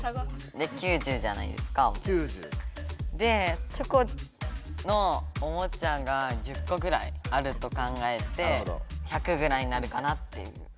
で９０じゃないですか。でチョコのおもちゃが１０個ぐらいあると考えて１００ぐらいになるかなっていう。